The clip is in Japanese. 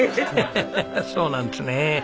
ヘヘヘそうなんですね。